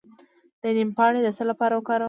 د نیم پاڼې د څه لپاره وکاروم؟